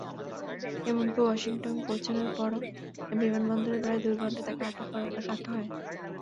এমনকি ওয়াশিংটন পৌঁছানোর পরও বিমানবন্দরে প্রায় দুই ঘণ্টা তাঁকে আটক রাখা হয়।